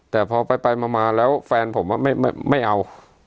แต่พอไปมาแล้วแฟนผมไม่เอา